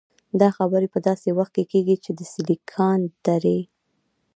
دا خبرې په داسې وخت کې کېږي چې د 'سیليکان درې'.